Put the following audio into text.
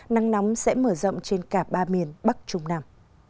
nắng nóng sẽ mở rộng trên cả ba miền bắc trung nam